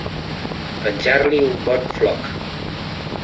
Penjar-li un bon floc.